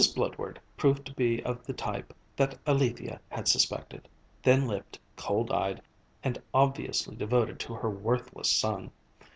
Bludward proved to be of the type that Alethia had suspected, thin lipped, cold eyed, and obviously devoted to her worthless son.